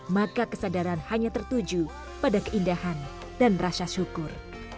maka kesadaran hanya tertuju pada keindahan dan rasa syukur